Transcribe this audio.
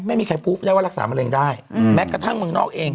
ไม่มีใครพูดได้ว่ารักษามะเร็งได้แม้กระทั่งเมืองนอกเอง